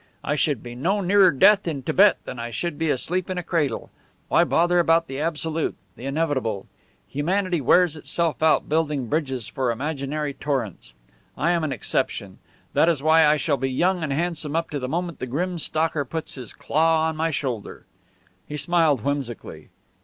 I should be no nearer death in Tibet than I should be asleep in a cradle. Why bother about the absolute, the inevitable? Humanity wears itself out building bridges for imaginary torrents. I am an exception; that is why I shall be young and handsome up to the moment the grim stalker puts his claw on my shoulder." He smiled whimsically.